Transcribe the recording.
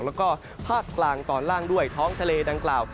แล้วก็ภาคกลางตอนล่างด้วยท้องทะเลดังกล่าว